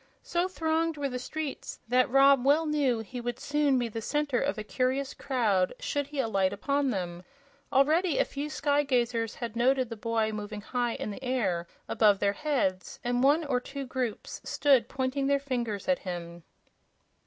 So thronged were the streets that Rob well knew he would soon be the center of a curious crowd should he alight upon them. Already a few sky gazers had noted the boy moving high in the air, above their heads, and one or two groups stood pointing their fingers at him.